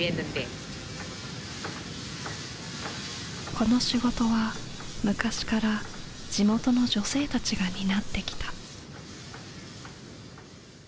この仕事は昔から地元の女性たちが担ってきた。